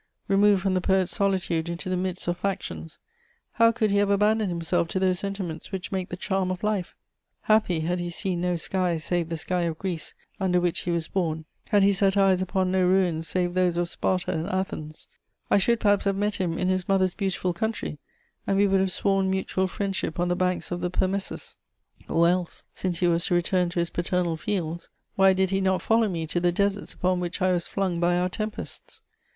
Removed from the poet's solitude into the midst of factions, how could he have abandoned himself to those sentiments which make the charm of life? Happy had he seen no sky save the sky of Greece under which he was born, had he set eyes upon no ruins save those of Sparta and Athens! I should perhaps have met him in his mother's beautiful country, and we would have sworn mutual friendship on the banks of the Permessus; or else, since he was to return to his paternal fields, why did he not follow me to the deserts upon which I was flung by our tempests!